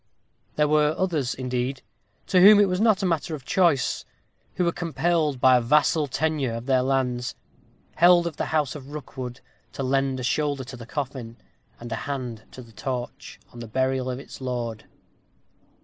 There were others, indeed, to whom it was not matter of choice; who were compelled, by a vassal tenure of their lands, held of the house of Rookwood, to lend a shoulder to the coffin, and a hand to the torch, on the burial of its lord.